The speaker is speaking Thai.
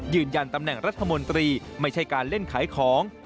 ยืนยันตำแหน่งรัฐมนตรีไม่ใช่การเล่นขายของ